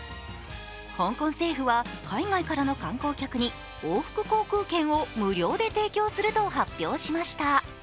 香港政府は海外からの観光客に往復航空券を無料で提供すると発表しました。